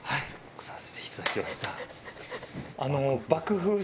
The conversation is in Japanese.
押させていただきました。